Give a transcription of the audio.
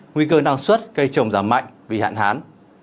nguy cơ nắng xuất cây trồng giảm mạnh vì hạn hán